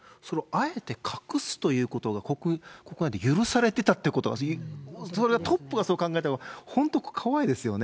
あえて隠すということが、ここは許されてたってことは、それがトップがそう考えるの、本当怖いですよね。